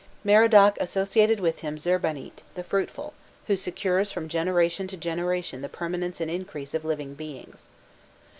Merodach associated with him Zirbanit, the fruitful, who secures from generation to generation the permanence and increase of living beings.